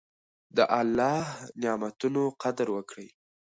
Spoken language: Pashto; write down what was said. د الله نعمتونو قدر وکړئ.